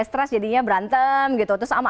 stres jadinya berantem gitu terus sama